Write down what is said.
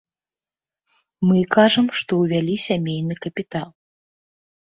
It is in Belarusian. Мы кажам, што ўвялі сямейны капітал.